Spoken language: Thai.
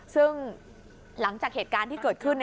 ซึ่งหลังจากเหตุการณ์ที่เกิดขึ้น